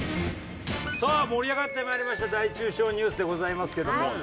さあ盛り上がってまいりました大中小ニュースでございますけども。